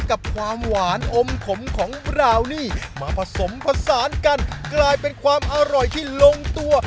กับความหวานอมขมของราวนี่มาผสมผสานกันกลายเป็นความอร่อยที่ลงตัว